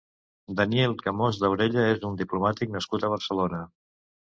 Daniel Camós Daurella és un diplomàtic nascut a Barcelona.